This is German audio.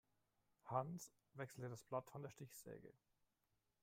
Hans wechselte das Blatt von der Stichsäge.